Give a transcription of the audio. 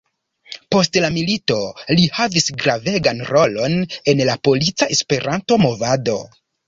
Post la milito li havis gravegan rolon en la polica Esperanto-movado.